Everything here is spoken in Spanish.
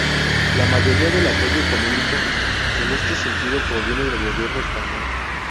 La mayoría del apoyo económico en este sentido proviene del gobierno español.